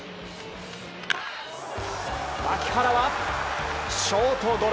牧原はショートゴロ。